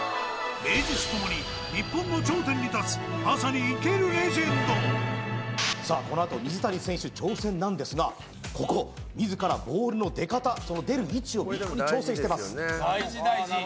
名実ともに日本の頂点に立つまさに生けるレジェンドさあこのあと水谷選手挑戦なんですがここ自らボールの出方その出る位置を微妙に調整してます